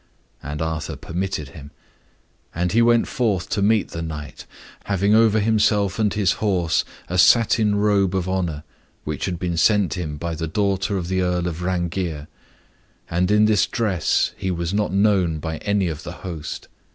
And Arthur permitted him. And he went forth to meet the knight, having over himself and his horse a satin robe of honor, which had been sent him by the daughter of the Earl of Rhangyr, and in this dress he was not known by any of the host.